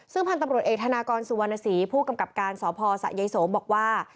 ซึ่งพันธุ์ตำรวจเอกธนากรสุวรรณศรีผู้กำกับการสพสะยายโสมบอกว่า